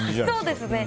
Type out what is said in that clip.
そうですね。